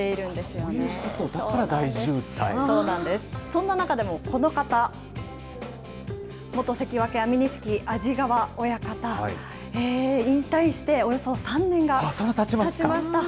そんな中でもこの方、元関脇・安美錦、安治川親方、引退しておよそ３年がたちました。